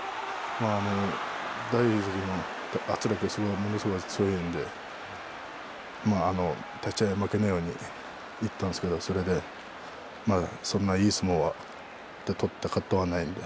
まあ、大栄翔関の圧力がものすごく強いんで、立ち合い負けないように行ったんですけどそれでまあ、そんないい相撲は取ってはないので。